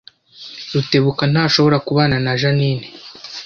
Rutebuka ntashobora kubana na Jeaninne